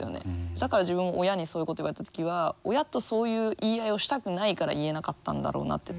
だから自分も親にそういうことを言われた時は親とそういう言い合いをしたくないから言えなかったんだろうなって